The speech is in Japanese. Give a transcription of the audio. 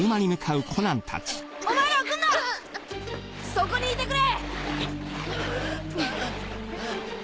そこにいてくれ！